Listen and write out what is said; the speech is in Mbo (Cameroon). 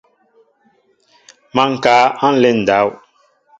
Má ŋkă a nlen ndáw.